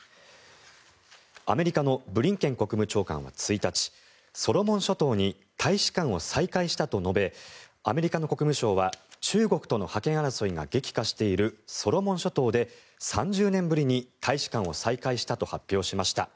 アメリカのブリンケン国務長官は１日ソロモン諸島に大使館を再開したと述べアメリカの国務省は中国との覇権争いが激化しているソロモン諸島で３０年ぶりに大使館を再開したと発表しました。